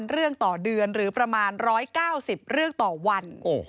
เรื่องต่อเดือนหรือประมาณ๑๙๐เรื่องต่อวัน